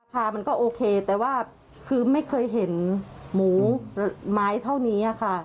ค่ะมันก็โอเคแต่ว่าคือไม่เคยเห็นหมูไม้เท่านี้ค่ะ